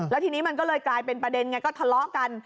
แล้วทีนี้มันก็เลยกลายเป็นประเด็นไงก็ทะเลาะกัน